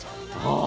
ああ。